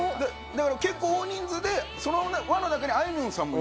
だから結構大人数でその輪の中にあいみょんさんも。